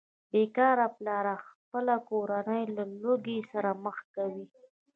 بې کاره پلار خپله کورنۍ له لوږې سره مخ کوي